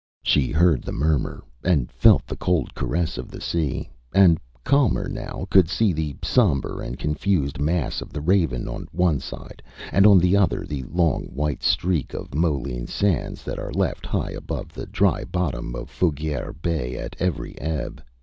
She heard the murmur and felt the cold caress of the sea, and, calmer now, could see the sombre and confused mass of the Raven on one side and on the other the long white streak of Molene sands that are left high above the dry bottom of Fougere Bay at every ebb.